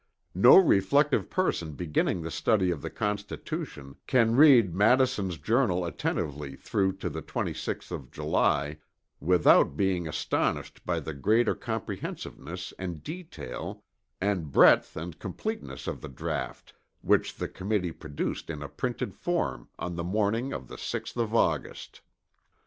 No reflective person beginning the study of the Constitution can read Madison's Journal attentively through to the 26th of July without being astonished by the greater comprehensiveness and detail and breadth and completeness of the draught which the committee produced in a printed form on the morning of the 6th of August.